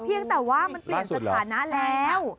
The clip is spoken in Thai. ยังแต่ว่ามันเปลี่ยนสถานะแล้ว